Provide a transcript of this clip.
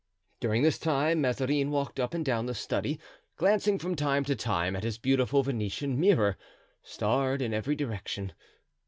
During this time Mazarin walked up and down the study, glancing from time to time at his beautiful Venetian mirror, starred in every direction.